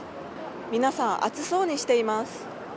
皆さん、暑そうにしています。